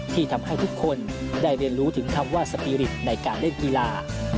ที่ทำให้ทุกคนได้เรียนรู้ถึงคำว่าสปีริตในการเล่นกีฬา